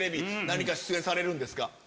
何か出演されるんですか？